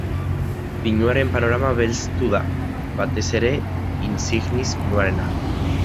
Pinuaren panorama belztu da, batez ere insignis pinuarena.